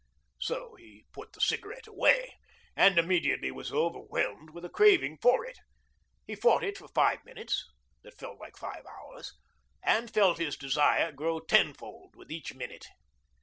So he put the cigarette away, and immediately was overwhelmed with a craving for it. He fought it for five minutes that felt like five hours, and felt his desire grow tenfold with each minute.